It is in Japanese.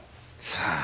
さあ？